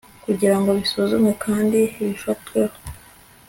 kugirango bisuzumwe kandi bifatweho